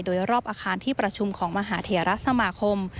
โดยรอบอาคารที่ประชุมของมหาเทราสมาคม